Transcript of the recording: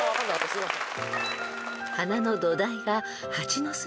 すいません。